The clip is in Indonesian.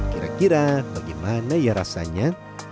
kira kira bagaimana ya rasanya